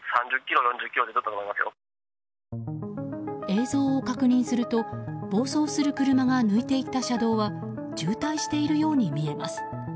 映像を確認すると暴走する車が抜いていった車道は渋滞しているように見えます。